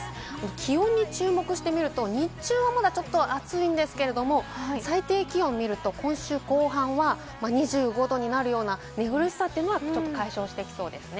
気温に注目してみると、日中はまだちょっと暑いんですけれど、最低気温を見ると、今週後半は２５度になるような、寝苦しさというのは解消してきそうです。